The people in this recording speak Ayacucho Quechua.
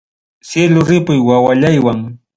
Cielo ripuy wawallaywan.